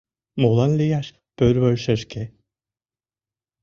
Молан лияш пӧрвӧй шешке?